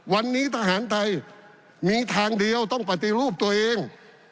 วันนี้ทหารไทยมีทางเดียวต้องปฏิรูปตัวเอง